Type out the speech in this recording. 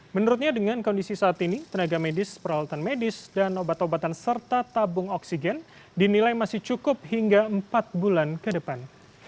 menurutnya dengan kondisi saat ini tenaga medis peralatan medis dan obat obatan serta tabung oksigen dinilai masih cukup hingga empat bulan ke depan